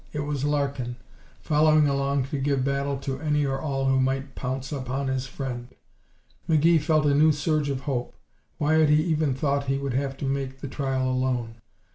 It was Larkin, following along to give battle to any or all who might pounce upon his friend. McGee felt a new surge of hope. Why had he even thought he would have to make the trial alone?